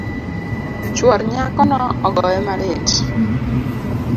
Chuor nyakono ogoye malit